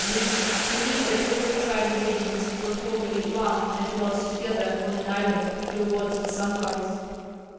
Lind, believed that "all the tribes of Indians were formerly one and dwelt together on an island ... towards the sunrise."